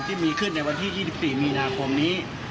ที่มีขึ้นในวันที่๒๔มีนาคมนี้